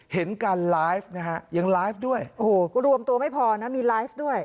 เห็นการไลฟ์นะฮะยังไลฟ์ด้วยโอ้โหก็รวมตัวไม่พอนะมีไลฟ์ด้วย